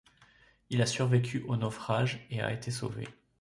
Il a survécu au naufrage et a été sauvé.